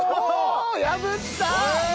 破った！